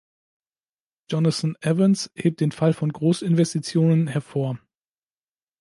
Jonathan Evans hebt den Fall von Großinvestitionen hervor.